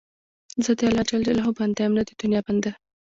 زه د الله جل جلاله بنده یم، نه د دنیا بنده.